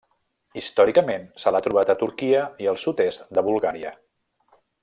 Històricament se l'ha trobat a Turquia i al sud-est de Bulgària.